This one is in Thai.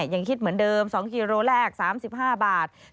ยังคิดเหมือนเดิม๒กิโลแรก๓๕บาท